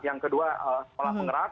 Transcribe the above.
yang kedua sekolah penggerak